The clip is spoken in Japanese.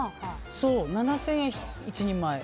７０００円、１人前。